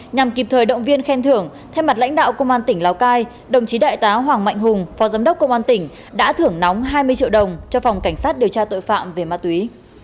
nhằm kịp thời động viên khen thưởng thay mặt lãnh đạo công an tỉnh lào cai đồng chí đại tá hoàng mạnh hùng phó giám đốc công an tỉnh đã thưởng nóng hai mươi triệu đồng cho phòng cảnh sát điều tra tội phạm về ma túy